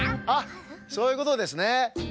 あっそういうことですね。